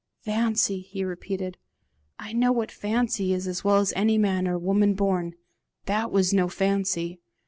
"Fancy!" he repeated; "I know what fancy is as well as any man or woman born: THAT was no fancy.